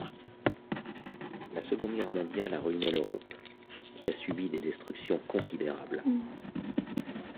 La Seconde Guerre mondiale a ruiné l'Europe, qui a subi des destructions considérables.